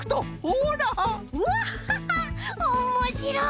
おもしろい！